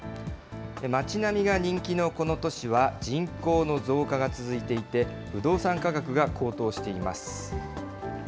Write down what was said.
町並みが人気のこの都市は、人口の増加が続いていて、不動産価格が高騰しています。